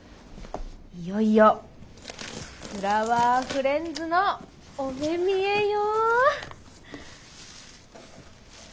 いよいよフラワーフレンズのお目見えよ。